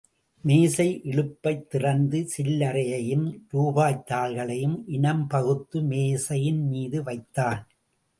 மேஜை இழுப்பைத் திறந்து சில்லறைகளையும் ரூபாய்த் தாள்களையும் இனம் பகுத்து மேஜையின் மீது வைத்தான்.